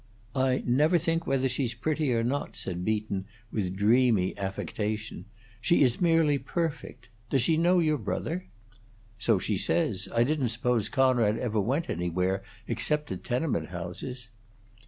"I never think whether she's pretty or not," said Beaton, with dreamy, affectation. "She is merely perfect. Does she know your brother?" "So she says. I didn't suppose Conrad ever went anywhere, except to tenement houses."